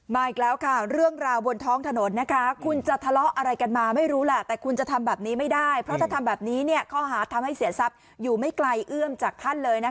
อีกแล้วค่ะเรื่องราวบนท้องถนนคุณจะทะเลาะอะไรกันมาไม่รู้แหละแต่คุณจะทำแบบนี้ไม่ได้เพราะถ้าทำแบบนี้ข้อหาทำให้เสียทรัพย์อยู่ไม่ไกลเอื้อมจากท่านเลยนะคะ